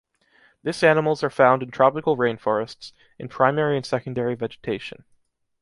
This animals are found in tropical rainforests, in primary and secondary vegetation.